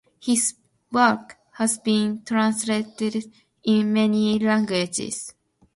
His work has been translated in many languages.